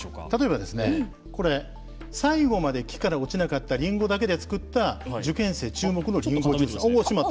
例えばですねこれ、最後まで木から落ちなかったリンゴだけで作った受験生注目のリンゴジュースです。